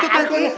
apaan tuh ini